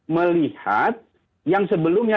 melihat yang sebelumnya